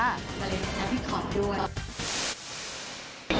ตายเลยนะพี่ขอด้วย